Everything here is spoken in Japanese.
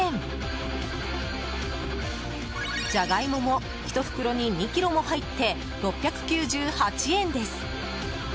ジャガイモも、１袋に２ｋｇも入って６９８円です。